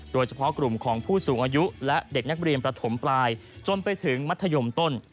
โดยเฉพาะกลุ่มของผู้สูงอายุและเด็กนักเรียนประถมปลายจนไปถึงมัธยมต้น